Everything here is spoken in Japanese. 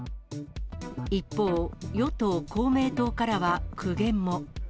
一方、与党・公明党からは苦言も。